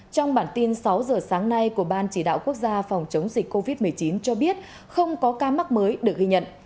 trong bản tin sáu giờ sáng nay của ban chỉ đạo quốc gia phòng chống dịch covid một mươi chín cho biết không có ca mắc mới được ghi nhận